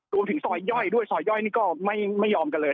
ดูหนึ่งที่ซอยย่อยด้วยซอยย่อยนี่ก็ไม่ไม่ยอมกันเลย